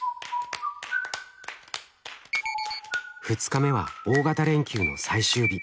２日目は大型連休の最終日。